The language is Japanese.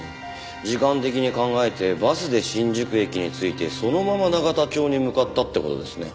時間的に考えてバスで新宿駅に着いてそのまま永田町に向かったって事ですね。